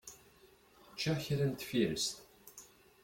Ččiɣ kra n tfirest.